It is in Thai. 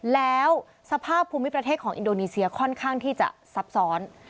แล้วสภาพภูมิประเทศของอินโดนีเซียค่อนข้างที่จะซับซ้อน